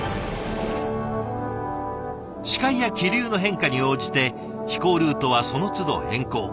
視界や気流の変化に応じて飛行ルートはそのつど変更。